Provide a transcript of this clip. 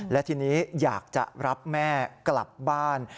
และทีนี้อยากจะรับแม่กลับบ้าน